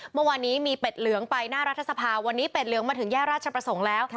เมื่อวานนี้มีเป็ดเหลืองไปหน้ารัฐสภาวันนี้เป็ดเหลืองมาถึงแยกราชประสงค์แล้ว